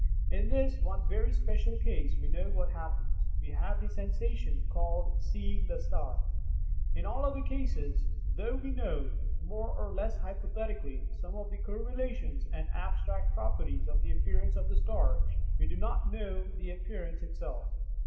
In this one very special case we know what happens: we have the sensation called "seeing the star." In all other cases, though we know (more or less hypothetically) some of the correlations and abstract properties of the appearance of the star, we do not know the appearance itself.